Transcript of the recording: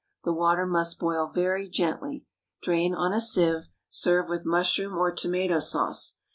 The water must boil very gently. Drain on a sieve; serve with mushroom or tomato sauce.